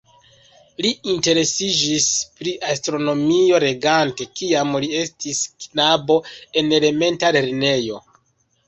Li interesiĝis pri astronomio legante kiam li estis knabo en elementa lernejo.